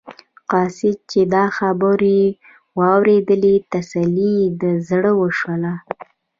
قاصد چې دا خبرې واورېدلې تسلي یې د زړه وشوله.